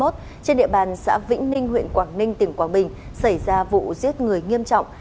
trên địa bàn xã vĩnh ninh huyện quảng ninh tỉnh quảng bình xảy ra vụ giết người nghiêm trọng